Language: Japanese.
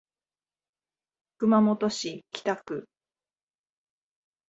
熊本市北区